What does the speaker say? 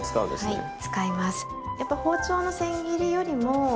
はい。